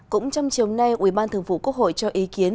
cũng trong chiều nay ủy ban thường vụ quốc hội cho ý kiến